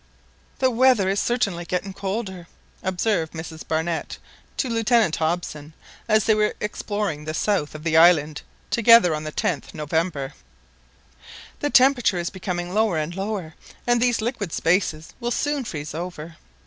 "The weather is certainly getting colder," observed Mrs Barnett to Lieutenant Hobson, as they were exploring the south of the island together on the 10th November, "the temperature is becoming lower and lower, and these liquid spaces will soon freeze over."